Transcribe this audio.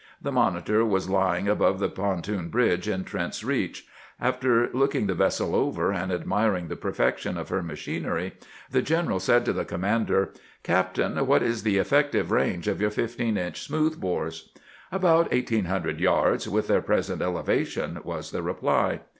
The monitor was lying above the pontoon bridge in Trent's Reach. After looking the vessel over, and admiring the perfection of her machinery, the general said to the commander :" Captain, what is the effective range of your 15 inch smooth bores ?"" About eighteen hundred yards, with their present elevation," was the reply.